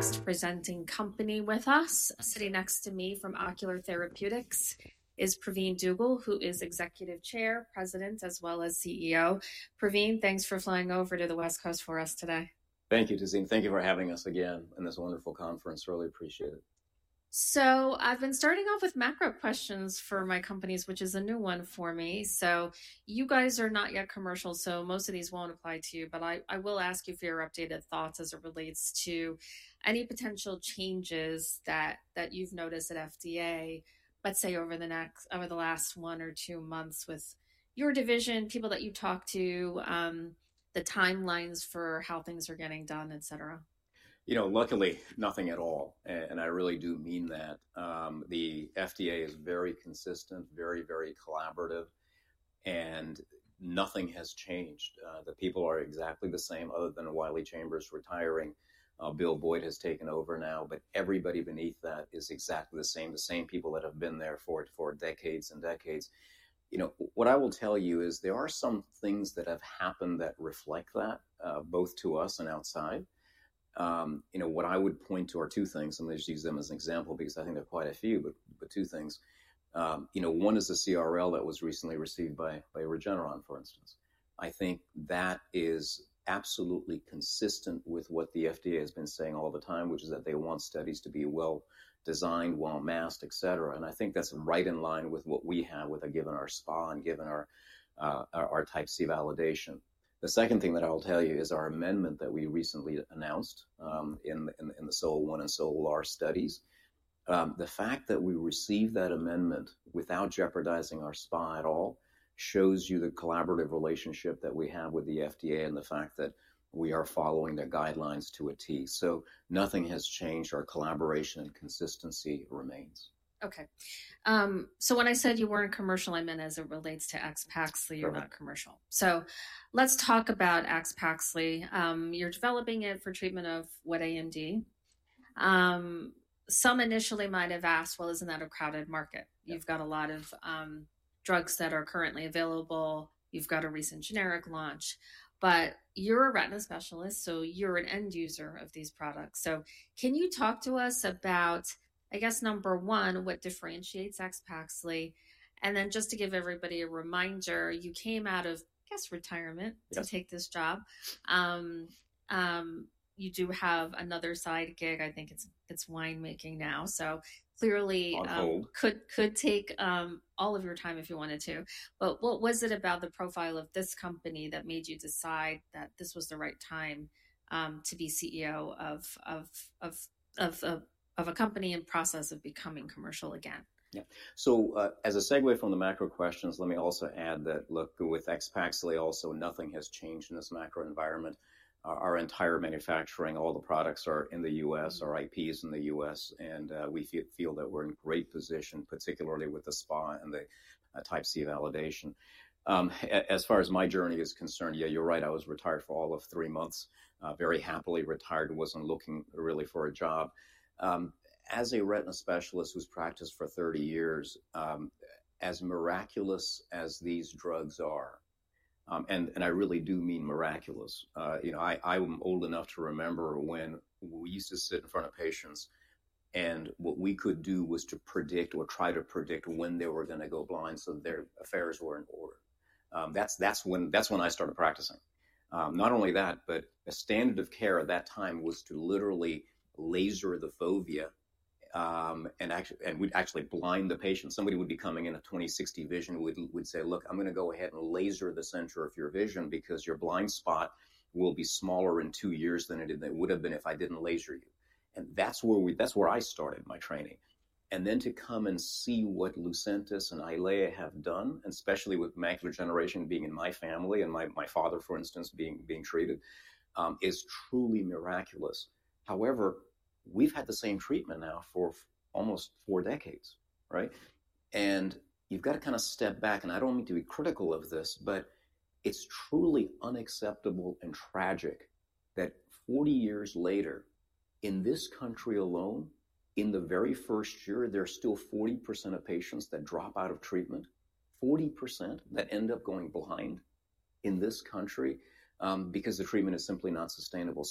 Our next presenting company with us, sitting next to me from Ocular Therapeutix, is Pravin Dugel, who is Executive Chair, President, as well as CEO. Pravin, thanks for flying over to the West Coast for us today. Thank you, Tizine. Thank you for having us again in this wonderful conference. Really appreciate it. I've been starting off with macro questions for my companies, which is a new one for me. You guys are not yet commercial, so most of these won't apply to you, but I will ask you for your updated thoughts as it relates to any potential changes that you've noticed at FDA, let's say over the last one or two months with your division, people that you talk to, the timelines for how things are getting done, etc. You know, luckily, nothing at all. And I really do mean that. The FDA is very consistent, very, very collaborative, and nothing has changed. The people are exactly the same, other than Wiley Chambers retiring. Bill Boyd has taken over now, but everybody beneath that is exactly the same, the same people that have been there for decades and decades. You know, what I will tell you is there are some things that have happened that reflect that, both to us and outside. You know, what I would point to are two things, and let's use them as an example because I think there are quite a few, but two things. You know, one is the CRL that was recently received by Regeneron, for instance. I think that is absolutely consistent with what the FDA has been saying all the time, which is that they want studies to be well designed, well masked, etc. I think that's right in line with what we have with, given our SPA and given our Type C validation. The second thing that I'll tell you is our amendment that we recently announced in the SOL1 and SOLAR studies. The fact that we received that amendment without jeopardizing our SPA at all shows you the collaborative relationship that we have with the FDA and the fact that we are following their guidelines to a T. Nothing has changed. Our collaboration and consistency remains. Okay. When I said you were not commercial, I meant as it relates to AXPAXLI, you are not commercial. Let us talk about AXPAXLI. You are developing it for treatment of wet AMD. Some initially might have asked, is not that a crowded market? You have got a lot of drugs that are currently available. You have got a recent generic launch. You are a retina specialist, so you are an end user of these products. Can you talk to us about, I guess, number one, what differentiates AXPAXLI? Just to give everybody a reminder, you came out of, I guess, retirement to take this job. You do have another side gig. I think it is winemaking now. Clearly. I'm old. Could take all of your time if you wanted to. What was it about the profile of this company that made you decide that this was the right time to be CEO of a company in the process of becoming commercial again? Yeah. As a segue from the macro questions, let me also add that, look, with AXPAXLI, also nothing has changed in this macro environment. Our entire manufacturing, all the products are in the U.S., our IP is in the U.S., and we feel that we're in great position, particularly with the SPA and the Type C validation. As far as my journey is concerned, yeah, you're right. I was retired for all of three months, very happily retired, wasn't looking really for a job. As a retina specialist who's practiced for 30 years, as miraculous as these drugs are, and I really do mean miraculous, you know, I am old enough to remember when we used to sit in front of patients and what we could do was to predict or try to predict when they were going to go blind so their affairs were in order. That's when I started practicing. Not only that, but the standard of care at that time was to literally laser the fovea and actually blind the patient. Somebody would be coming in at 20/60 vision who would say, "Look, I'm going to go ahead and laser the center of your vision because your blind spot will be smaller in two years than it would have been if I didn't laser you." That is where I started my training. To come and see what Lucentis and Eylea have done, and especially with macular degeneration being in my family and my father, for instance, being treated, is truly miraculous. However, we've had the same treatment now for almost four decades, right? You have got to kind of step back. I do not mean to be critical of this, but it's truly unacceptable and tragic that 40 years later, in this country alone, in the very first year, there's still 40% of patients that drop out of treatment, 40% that end up going blind in this country because the treatment is simply not sustainable.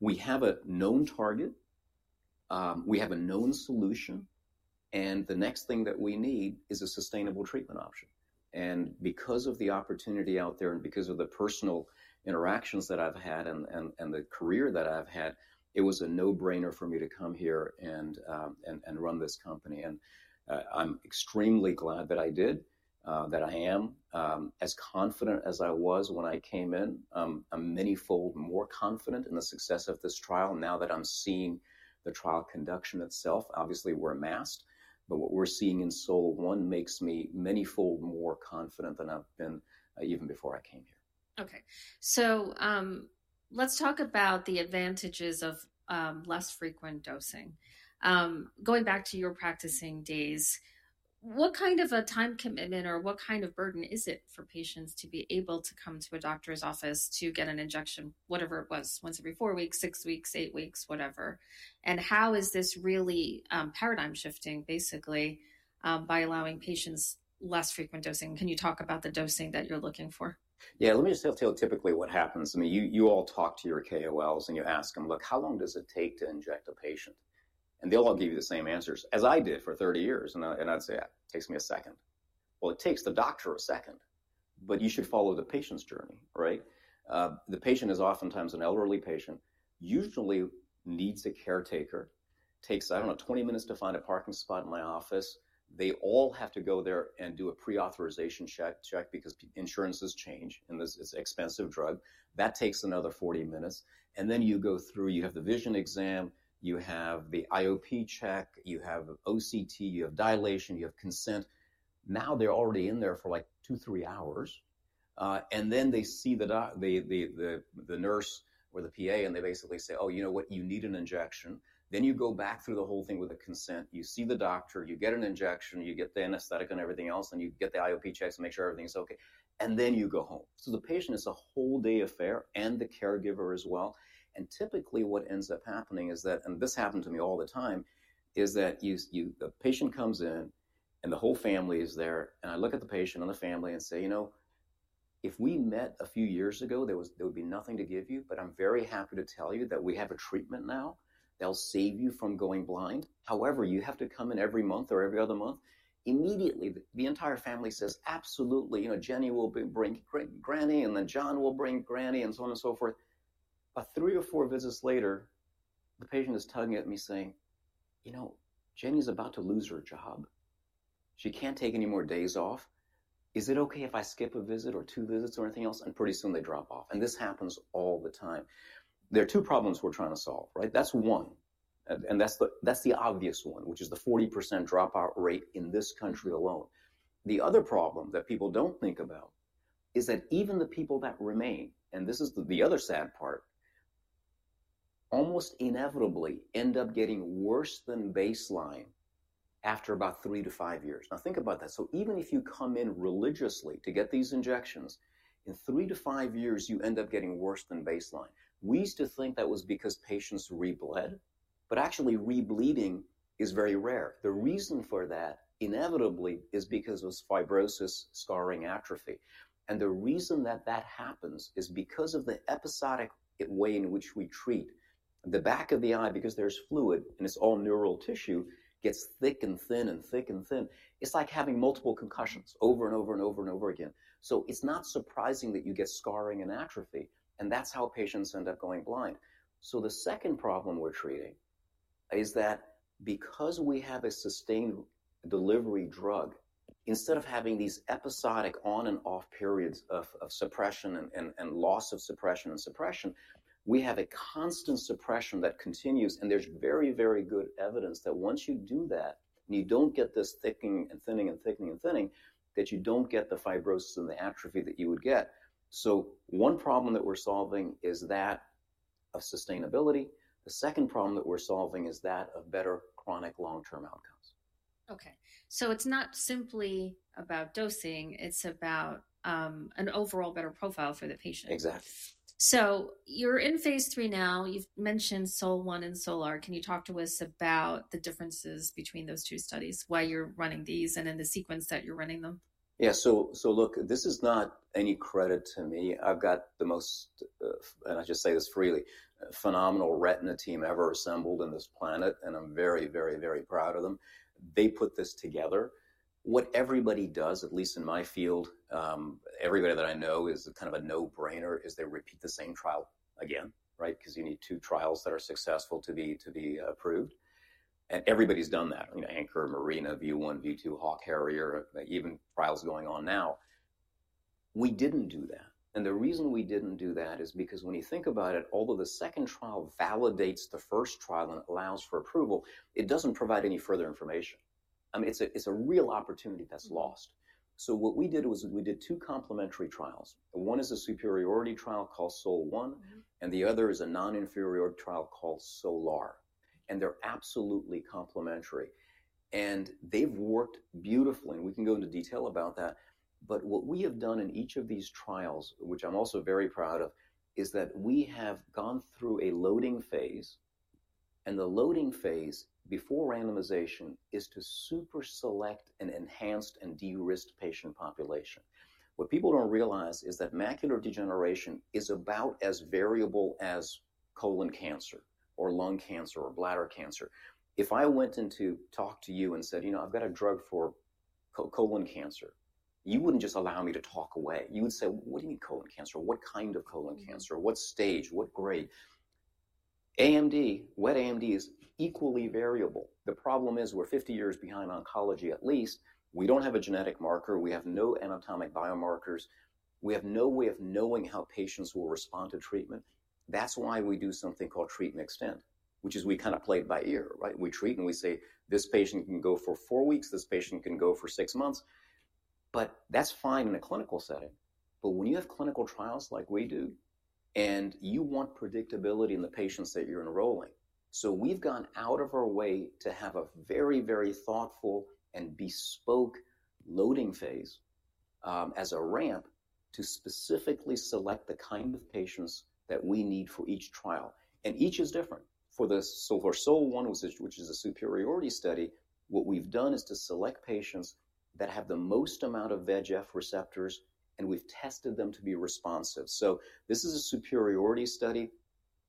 We have a known target, we have a known solution, and the next thing that we need is a sustainable treatment option. Because of the opportunity out there and because of the personal interactions that I've had and the career that I've had, it was a no-brainer for me to come here and run this company. I'm extremely glad that I did, that I am as confident as I was when I came in. I'm manyfold more confident in the success of this trial now that I'm seeing the trial conduction itself. Obviously, we're masked, but what we're seeing in SOL1 makes me manyfold more confident than I've been even before I came here. Okay. Let's talk about the advantages of less frequent dosing. Going back to your practicing days, what kind of a time commitment or what kind of burden is it for patients to be able to come to a doctor's office to get an injection, whatever it was, once every four weeks, six weeks, eight weeks, whatever? How is this really paradigm shifting, basically, by allowing patients less frequent dosing? Can you talk about the dosing that you're looking for? Yeah, let me just tell you typically what happens. I mean, you all talk to your KOLs and you ask them, "Look, how long does it take to inject a patient?" They'll all give you the same answers, as I did for 30 years. I'd say, "It takes me a second." It takes the doctor a second, but you should follow the patient's journey, right? The patient is oftentimes an elderly patient, usually needs a caretaker, takes, I don't know, 20 minutes to find a parking spot in my office. They all have to go there and do a pre-authorization check because insurances change and it's an expensive drug. That takes another 40 minutes. You go through, you have the vision exam, you have the IOP check, you have OCT, you have dilation, you have consent. Now they're already in there for like two, three hours. They see the nurse or the PA and they basically say, "Oh, you know what? You need an injection." You go back through the whole thing with the consent. You see the doctor, you get an injection, you get the anesthetic and everything else, and you get the IOP checks to make sure everything's okay. You go home. The patient is a whole day affair and the caregiver as well. Typically what ends up happening is that, and this happened to me all the time, a patient comes in and the whole family is there. I look at the patient and the family and say, "You know, if we met a few years ago, there would be nothing to give you, but I'm very happy to tell you that we have a treatment now that'll save you from going blind. However, you have to come in every month or every other month." Immediately, the entire family says, "Absolutely. You know, Jenny will bring Granny and then John will bring Granny and so on and so forth." Three or four visits later, the patient is tugging at me saying, "You know, Jenny's about to lose her job. She can't take any more days off. Is it okay if I skip a visit or two visits or anything else?" Pretty soon they drop off. This happens all the time. There are two problems we're trying to solve, right? That's one. That is the obvious one, which is the 40% dropout rate in this country alone. The other problem that people do not think about is that even the people that remain, and this is the other sad part, almost inevitably end up getting worse than baseline after about three to five years. Now think about that. Even if you come in religiously to get these injections, in three to five years, you end up getting worse than baseline. We used to think that was because patients re-bled, but actually re-bleeding is very rare. The reason for that inevitably is because of fibrosis, scarring, atrophy. The reason that that happens is because of the episodic way in which we treat the back of the eye because there is fluid and it is all neural tissue, gets thick and thin and thick and thin. It's like having multiple concussions over and over and over again. It's not surprising that you get scarring and atrophy. That's how patients end up going blind. The second problem we're treating is that because we have a sustained delivery drug, instead of having these episodic on-and-off periods of suppression and loss of suppression and suppression, we have a constant suppression that continues. There's very, very good evidence that once you do that and you don't get this thickening and thinning and thinning, you don't get the fibrosis and the atrophy that you would get. One problem that we're solving is that of sustainability. The second problem that we're solving is that of better chronic long-term outcomes. Okay. It is not simply about dosing. It is about an overall better profile for the patient. Exactly. You're in phase three now. You've mentioned SOL1 and SOLAR. Can you talk to us about the differences between those two studies, why you're running these and in the sequence that you're running them? Yeah. Look, this is not any credit to me. I've got the most, and I just say this freely, phenomenal retina team ever assembled on this planet, and I'm very, very, very proud of them. They put this together. What everybody does, at least in my field, everybody that I know is kind of a no-brainer, is they repeat the same trial again, right? Because you need two trials that are successful to be approved. Everybody's done that, you know, Anchor, Marina, V1, V2, Hawk, Harrier, even trials going on now. We didn't do that. The reason we didn't do that is because when you think about it, although the second trial validates the first trial and allows for approval, it doesn't provide any further information. I mean, it's a real opportunity that's lost. What we did was we did two complementary trials. One is a superiority trial called SOL1, and the other is a non-inferiority trial called SOLAR. They are absolutely complementary. They have worked beautifully. We can go into detail about that. What we have done in each of these trials, which I am also very proud of, is that we have gone through a loading phase. The loading phase before randomization is to super select an enhanced and de-risked patient population. What people do not realize is that macular degeneration is about as variable as colon cancer or lung cancer or bladder cancer. If I went in to talk to you and said, you know, I have got a drug for colon cancer, you would not just allow me to talk away. You would say, "What do you mean colon cancer? What kind of colon cancer? What stage? What grade?" AMD, wet AMD is equally variable. The problem is we're 50 years behind oncology, at least. We don't have a genetic marker. We have no anatomic biomarkers. We have no way of knowing how patients will respond to treatment. That's why we do something called treatment extent, which is we kind of play it by ear, right? We treat and we say, "This patient can go for four weeks. This patient can go for six months." That is fine in a clinical setting. When you have clinical trials like we do and you want predictability in the patients that you're enrolling, we have gone out of our way to have a very, very thoughtful and bespoke loading phase as a ramp to specifically select the kind of patients that we need for each trial. Each is different. For the SOL1, which is a superiority study, what we've done is to select patients that have the most amount of VEGF receptors, and we've tested them to be responsive. This is a superiority study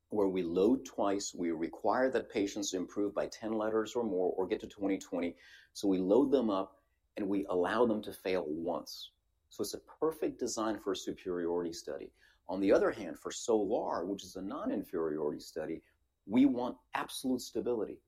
where we load twice. We require that patients improve by 10 letters or more or get to 20/20. We load them up and we allow them to fail once. It is a perfect design for a superiority study. On the other hand, for SOLAR, which is a non-inferiority study, we want absolute stability.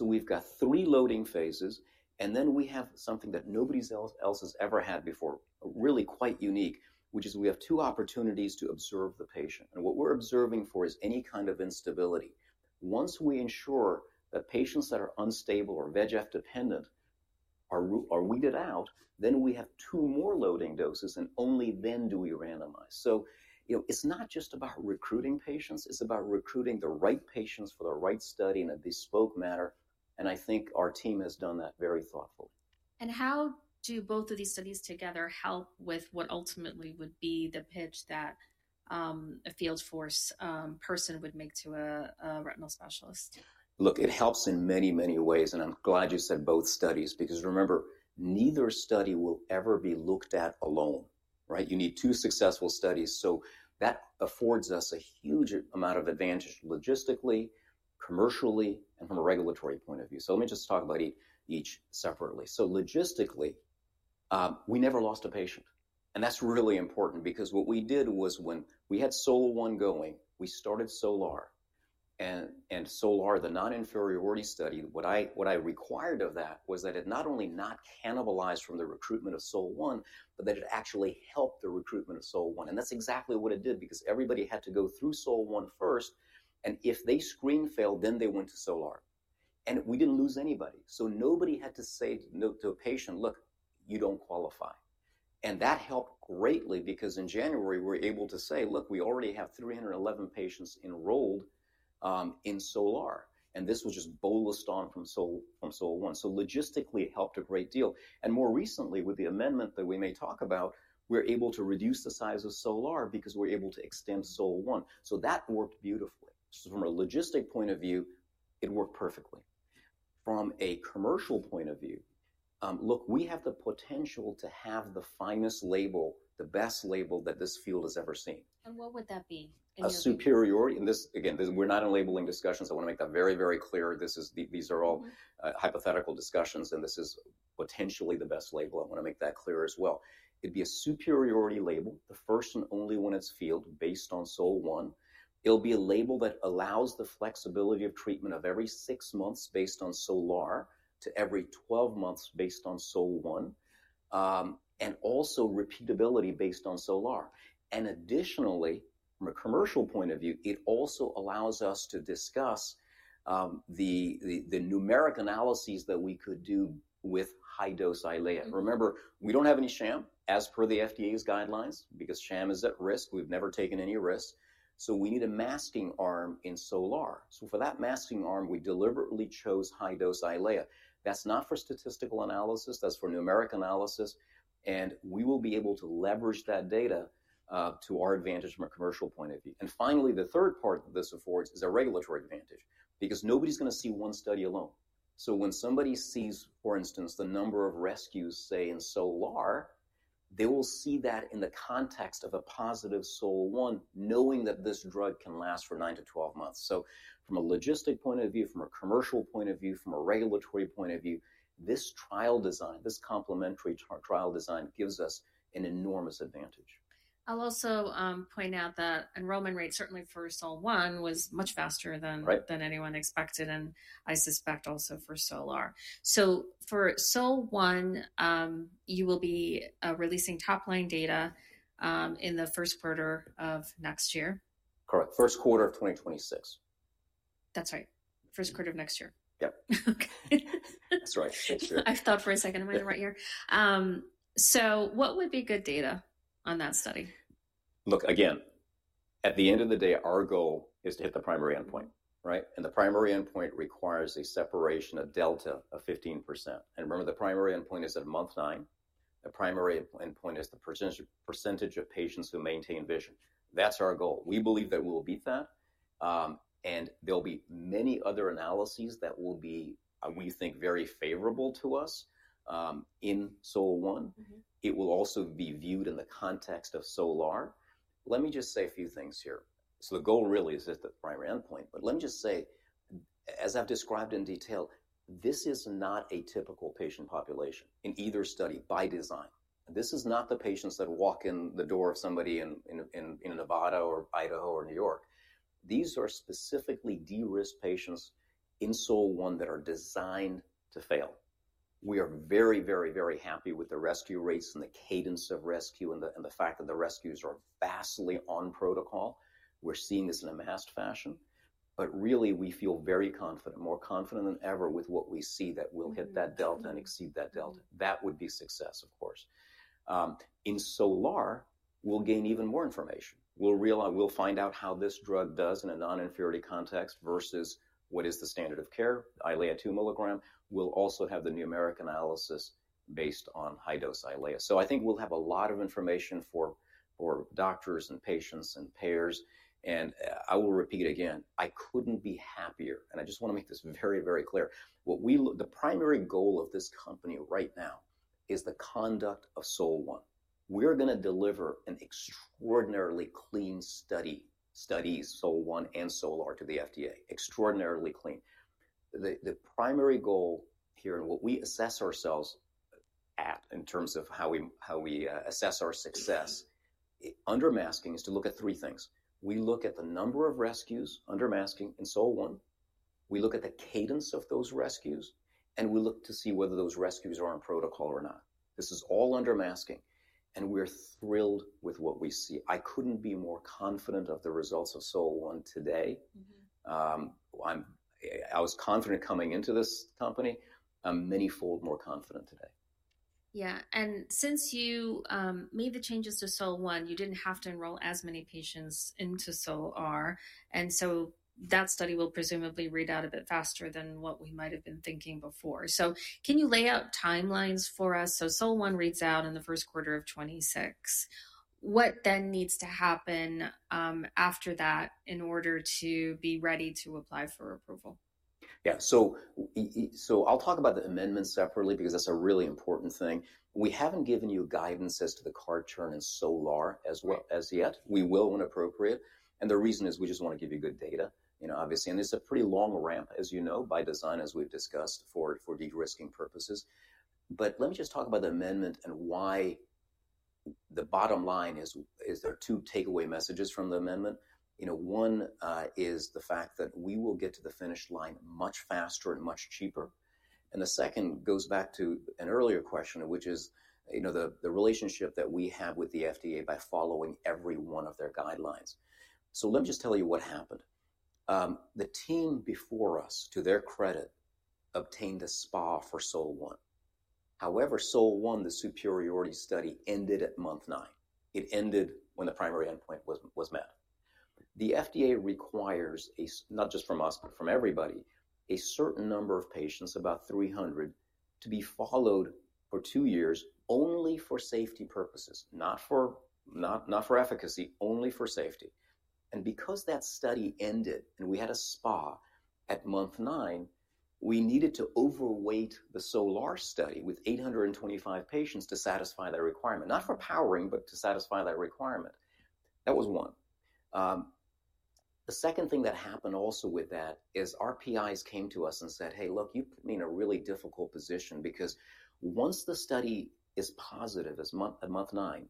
We've got three loading phases, and then we have something that nobody else has ever had before, really quite unique, which is we have two opportunities to observe the patient. What we're observing for is any kind of instability. Once we ensure that patients that are unstable or VEGF dependent are weeded out, we have two more loading doses, and only then do we randomize. It is not just about recruiting patients. It is about recruiting the right patients for the right study in a bespoke manner. I think our team has done that very thoughtfully. How do both of these studies together help with what ultimately would be the pitch that a field force person would make to a retinal specialist? Look, it helps in many, many ways. I'm glad you said both studies because remember, neither study will ever be looked at alone, right? You need two successful studies. That affords us a huge amount of advantage logistically, commercially, and from a regulatory point of view. Let me just talk about each separately. Logistically, we never lost a patient. That's really important because what we did was when we had SOL1 going, we started SOLAR. SOLAR, the non-inferiority study, what I required of that was that it not only not cannibalized from the recruitment of SOL1, but that it actually helped the recruitment of SOL1. That's exactly what it did because everybody had to go through SOL1 first. If they screen failed, then they went to SOLAR. We didn't lose anybody. Nobody had to say to a patient, "Look, you don't qualify." That helped greatly because in January, we were able to say, "Look, we already have 311 patients enrolled in SOLAR." This was just bolused on from SOL1. Logistically, it helped a great deal. More recently, with the amendment that we may talk about, we're able to reduce the size of SOLAR because we're able to extend SOL1. That worked beautifully. From a logistic point of view, it worked perfectly. From a commercial point of view, look, we have the potential to have the finest label, the best label that this field has ever seen. What would that be? A superiority. And this, again, we're not in labeling discussions. I want to make that very, very clear. These are all hypothetical discussions, and this is potentially the best label. I want to make that clear as well. It'd be a superiority label, the first and only one in its field based on SOL1. It'll be a label that allows the flexibility of treatment of every six months based on SOLAR to every 12 months based on SOL1, and also repeatability based on SOLAR. Additionally, from a commercial point of view, it also allows us to discuss the numeric analyses that we could do with high-dose Eylea. Remember, we don't have any sham as per the FDA's guidelines because sham is at risk. We've never taken any risks. We need a masking arm in SOLAR. For that masking arm, we deliberately chose high-dose Eylea. That's not for statistical analysis. That's for numeric analysis. We will be able to leverage that data to our advantage from a commercial point of view. Finally, the third part that this affords is a regulatory advantage because nobody's going to see one study alone. When somebody sees, for instance, the number of rescues, say, in SOLAR, they will see that in the context of a positive SOL1, knowing that this drug can last for 9-12 months. From a logistic point of view, from a commercial point of view, from a regulatory point of view, this trial design, this complementary trial design gives us an enormous advantage. I'll also point out that enrollment rate, certainly for SOL1, was much faster than anyone expected, and I suspect also for SOLAR. For SOL1, you will be releasing top-line data in the first quarter of next year? Correct. First quarter of 2026. That's right. First quarter of next year. Yep. Okay. That's right. I thought for a second, am I in the right year? What would be good data on that study? Look, again, at the end of the day, our goal is to hit the primary endpoint, right? The primary endpoint requires a separation of delta of 15%. Remember, the primary endpoint is at month nine. The primary endpoint is the percentage of patients who maintain vision. That's our goal. We believe that we'll beat that. There'll be many other analyses that will be, we think, very favorable to us in SOL1. It will also be viewed in the context of SOLAR. Let me just say a few things here. The goal really is at the primary endpoint. Let me just say, as I've described in detail, this is not a typical patient population in either study by design. This is not the patients that walk in the door of somebody in Nevada or Idaho or New York. These are specifically de-risked patients in SOL1 that are designed to fail. We are very, very happy with the rescue rates and the cadence of rescue and the fact that the rescues are vastly on protocol. We're seeing this in a masked fashion. Really, we feel very confident, more confident than ever with what we see that will hit that delta and exceed that delta. That would be success, of course. In SOLAR, we'll gain even more information. We'll find out how this drug does in a non-inferiority context versus what is the standard of care, Eylea 2 milligram. We'll also have the numeric analysis based on high-dose Eylea. I think we'll have a lot of information for doctors and patients and payers. I will repeat again, I couldn't be happier. I just want to make this very, very clear. The primary goal of this company right now is the conduct of SOL1. We're going to deliver an extraordinarily clean study, SOL1 and SOLAR to the FDA. Extraordinarily clean. The primary goal here and what we assess ourselves at in terms of how we assess our success under masking is to look at three things. We look at the number of rescues under masking in SOL1. We look at the cadence of those rescues, and we look to see whether those rescues are on protocol or not. This is all under masking, and we're thrilled with what we see. I couldn't be more confident of the results of SOL1 today. I was confident coming into this company. I'm manyfold more confident today. Yeah. And since you made the changes to SOL1, you did not have to enroll as many patients into SOLAR. That study will presumably read out a bit faster than what we might have been thinking before. Can you lay out timelines for us? SOL1 reads out in the first quarter of 2026. What then needs to happen after that in order to be ready to apply for approval? Yeah. I'll talk about the amendment separately because that's a really important thing. We haven't given you guidance as to the card churn in SOLAR as yet. We will when appropriate. The reason is we just want to give you good data, you know, obviously. It's a pretty long ramp, as you know, by design, as we've discussed, for de-risking purposes. Let me just talk about the amendment and why. The bottom line is there are two takeaway messages from the amendment. One is the fact that we will get to the finish line much faster and much cheaper. The second goes back to an earlier question, which is, you know, the relationship that we have with the FDA by following every one of their guidelines. Let me just tell you what happened. The team before us, to their credit, obtained a SPA for SOL1. However, SOL1, the superiority study, ended at month nine. It ended when the primary endpoint was met. The FDA requires not just from us, but from everybody, a certain number of patients, about 300, to be followed for two years only for safety purposes, not for efficacy, only for safety. Because that study ended and we had a SPA at month nine, we needed to overweight the SOLAR study with 825 patients to satisfy that requirement. Not for powering, but to satisfy that requirement. That was one. The second thing that happened also with that is our PIs came to us and said, "Hey, look, you put me in a really difficult position because once the study is positive at month nine,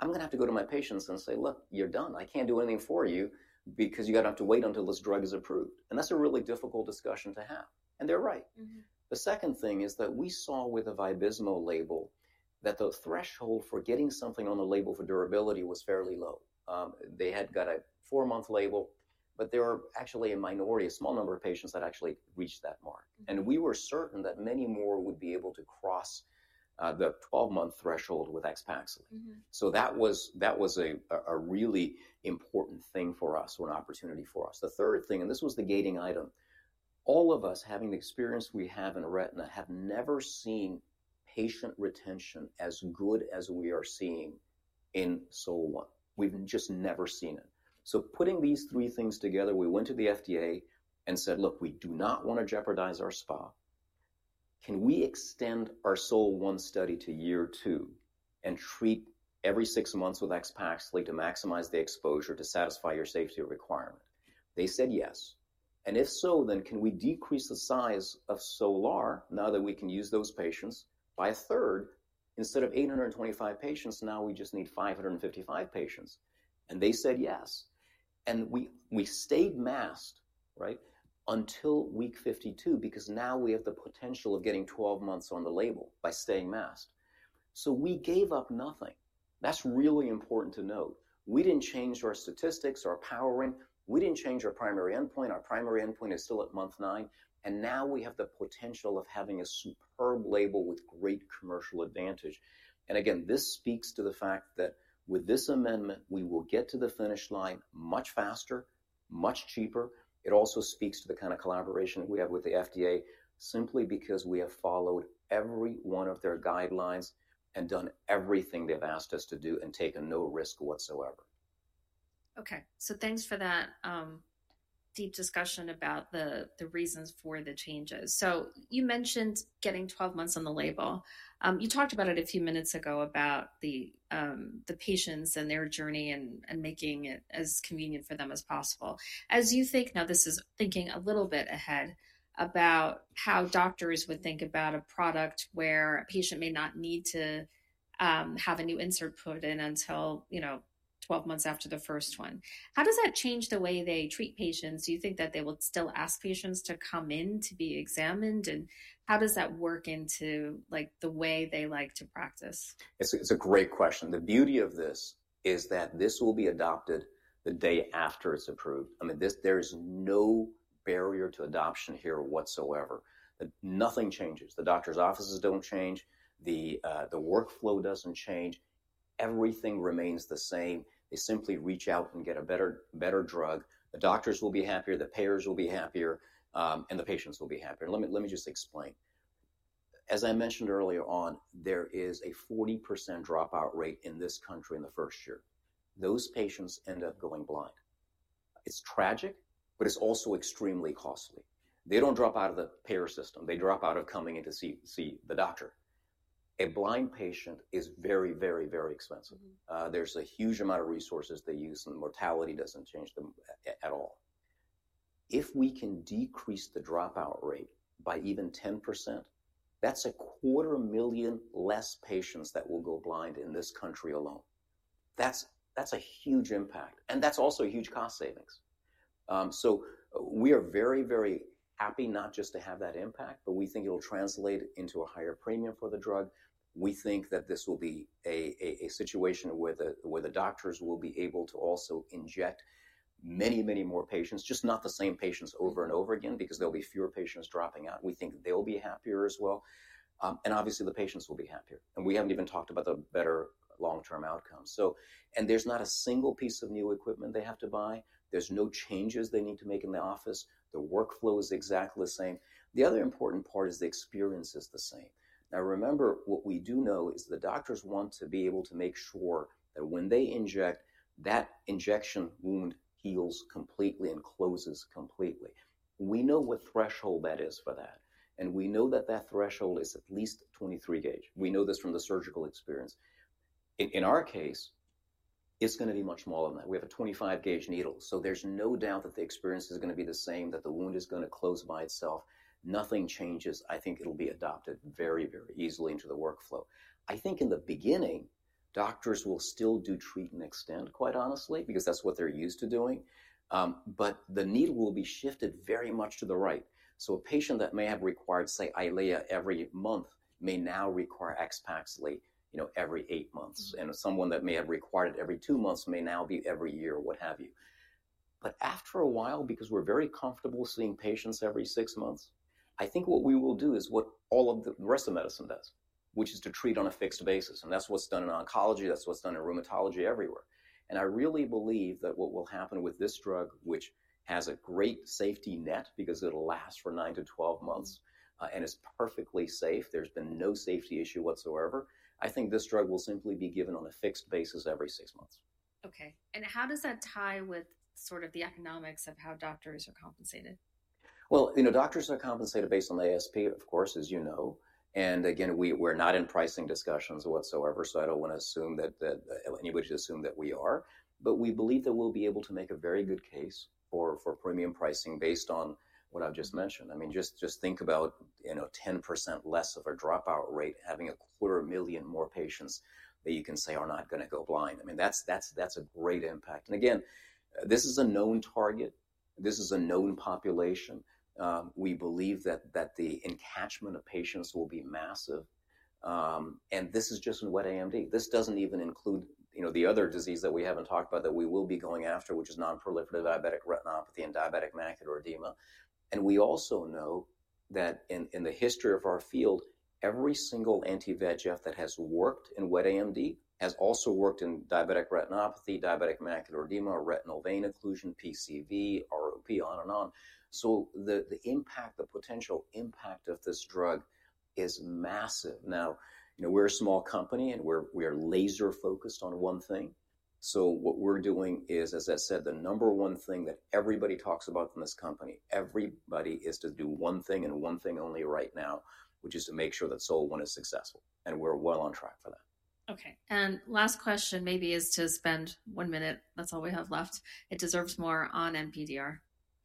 I'm going to have to go to my patients and say, 'Look, you're done. I can't do anything for you because you're going to have to wait until this drug is approved.' That is a really difficult discussion to have. They are right. The second thing is that we saw with the Vabysmo label that the threshold for getting something on the label for durability was fairly low. They got a four-month label, but there are actually a minority, a small number of patients that actually reached that mark. We were certain that many more would be able to cross the 12-month threshold with AXPAXLI. That was a really important thing for us or an opportunity for us. The third thing, and this was the gating item, all of us having the experience we have in Retina have never seen patient retention as good as we are seeing in SOL1. We have just never seen it. Putting these three things together, we went to the FDA and said, "Look, we do not want to jeopardize our SPA. Can we extend our SOL1 study to year two and treat every six months with AXPAXLI to maximize the exposure to satisfy your safety requirement?" They said yes. If so, then can we decrease the size of SOLAR now that we can use those patients by a third? Instead of 825 patients, now we just need 555 patients. They said yes. We stayed masked, right, until week 52 because now we have the potential of getting 12 months on the label by staying masked. We gave up nothing. That is really important to note. We did not change our statistics, our powering. We did not change our primary endpoint. Our primary endpoint is still at month nine. We have the potential of having a superb label with great commercial advantage. Again, this speaks to the fact that with this amendment, we will get to the finish line much faster, much cheaper. It also speaks to the kind of collaboration we have with the FDA simply because we have followed every one of their guidelines and done everything they've asked us to do and taken no risk whatsoever. Okay. Thanks for that deep discussion about the reasons for the changes. You mentioned getting 12 months on the label. You talked about it a few minutes ago, about the patients and their journey and making it as convenient for them as possible. As you think now, this is thinking a little bit ahead about how doctors would think about a product where a patient may not need to have a new insert put in until, you know, 12 months after the first one. How does that change the way they treat patients? Do you think that they will still ask patients to come in to be examined? How does that work into the way they like to practice? It's a great question. The beauty of this is that this will be adopted the day after it's approved. I mean, there is no barrier to adoption here whatsoever. Nothing changes. The doctor's offices don't change. The workflow doesn't change. Everything remains the same. They simply reach out and get a better drug. The doctors will be happier. The payers will be happier, and the patients will be happier. Let me just explain. As I mentioned earlier on, there is a 40% dropout rate in this country in the first year. Those patients end up going blind. It's tragic, but it's also extremely costly. They don't drop out of the payer system. They drop out of coming in to see the doctor. A blind patient is very, very, very expensive. There's a huge amount of resources they use, and mortality doesn't change at all. If we can decrease the dropout rate by even 10%, that's a quarter million less patients that will go blind in this country alone. That's a huge impact. That's also huge cost savings. We are very, very happy not just to have that impact, but we think it'll translate into a higher premium for the drug. We think that this will be a situation where the doctors will be able to also inject many, many more patients, just not the same patients over and over again because there'll be fewer patients dropping out. We think they'll be happier as well. Obviously, the patients will be happier. We haven't even talked about the better long-term outcomes. There's not a single piece of new equipment they have to buy. There are no changes they need to make in the office. The workflow is exactly the same. The other important part is the experience is the same. Now, remember, what we do know is the doctors want to be able to make sure that when they inject, that injection wound heals completely and closes completely. We know what threshold that is for that. And we know that that threshold is at least 23 gauge. We know this from the surgical experience. In our case, it's going to be much more than that. We have a 25 gauge needle. There is no doubt that the experience is going to be the same, that the wound is going to close by itself. Nothing changes. I think it'll be adopted very, very easily into the workflow. I think in the beginning, doctors will still do treat and extend, quite honestly, because that's what they're used to doing. The needle will be shifted very much to the right. A patient that may have required, say, Eylea every month may now require AXPAXLI every eight months. And someone that may have required it every two months may now be every year, what have you. But after a while, because we're very comfortable seeing patients every six months, I think what we will do is what all of the rest of medicine does, which is to treat on a fixed basis. That's what's done in oncology. That's what's done in rheumatology everywhere. I really believe that what will happen with this drug, which has a great safety net because it'll last for 9-12 months and is perfectly safe, there's been no safety issue whatsoever, I think this drug will simply be given on a fixed basis every six months. Okay. How does that tie with sort of the economics of how doctors are compensated? You know, doctors are compensated based on ASP, of course, as you know. Again, we're not in pricing discussions whatsoever, so I don't want to assume that anybody should assume that we are. We believe that we'll be able to make a very good case for premium pricing based on what I've just mentioned. I mean, just think about 10% less of a dropout rate, having a quarter million more patients that you can say are not going to go blind. I mean, that's a great impact. Again, this is a known target. This is a known population. We believe that the encachment of patients will be massive. This is just in wet AMD. This doesn't even include the other disease that we haven't talked about that we will be going after, which is non-proliferative diabetic retinopathy and diabetic macular edema. We also know that in the history of our field, every single anti-VEGF that has worked in wet AMD has also worked in diabetic retinopathy, diabetic macular edema, retinal vein occlusion, PCV, ROP, on and on. The impact, the potential impact of this drug is massive. Now, we're a small company, and we're laser-focused on one thing. What we're doing is, as I said, the number one thing that everybody talks about in this company, everybody is to do one thing and one thing only right now, which is to make sure that SOL1 is successful. We're well on track for that. Okay. Last question maybe is to spend one minute. That's all we have left. It deserves more on NPDR.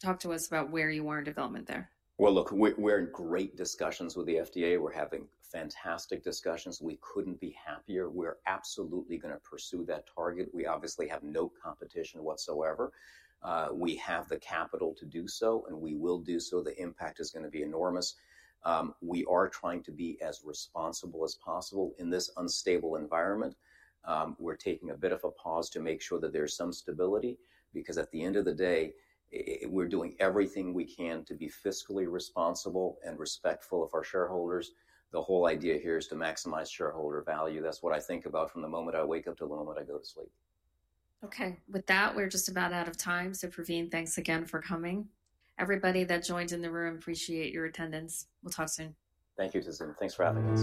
Talk to us about where you are in development there Look, we're in great discussions with the FDA. We're having fantastic discussions. We couldn't be happier. We're absolutely going to pursue that target. We obviously have no competition whatsoever. We have the capital to do so, and we will do so. The impact is going to be enormous. We are trying to be as responsible as possible in this unstable environment. We're taking a bit of a pause to make sure that there's some stability because at the end of the day, we're doing everything we can to be fiscally responsible and respectful of our shareholders. The whole idea here is to maximize shareholder value. That's what I think about from the moment I wake up to the moment I go to sleep. Okay. With that, we're just about out of time. Pravin, thanks again for coming. Everybody that joined in the room, appreciate your attendance. We'll talk soon. Thank you, Tizine. Thanks for having us.